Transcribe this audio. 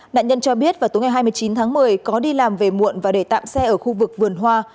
nạn nhân cho biết vào tối ngày hai mươi chín tháng một mươi có đi làm về muộn và để tạm xe ở khu vực vườn hoa